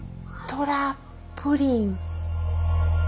トラプリン。